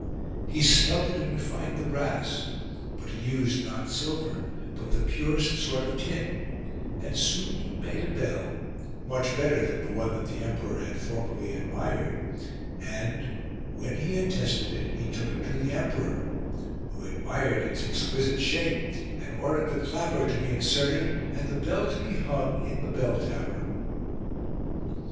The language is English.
He smelted and re fined the brass ; but he used, not silver, but the purest sort of tin, and soon he made a bell, much better than the one that the emperor had formerly admired, 94 TANCHO'S PUNISHMENT and, when he had tested it, he took it to the emperor, who admired its exquisite shape and ordered the clapper to be inserted and the bell to be hung in the bell tower.